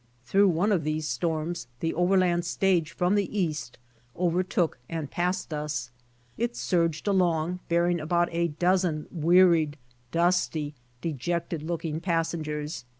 Through one of these storms the overland stage LEAVING THE DESERT 49 from the East overtook and passed us. It surged along bearing about a dozen wearied, dusty, dejected looking passengers.